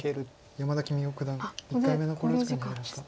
山田規三生九段１回目の考慮時間に入りました。